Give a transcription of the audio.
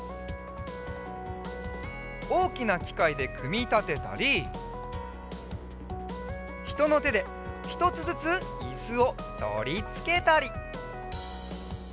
おおきなきかいでくみたてたりひとのてでひとつずついすをとりつけたり。